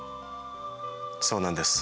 そうなんです。